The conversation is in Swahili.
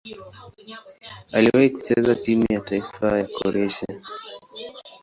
Aliwahi kucheza timu ya taifa ya Kroatia.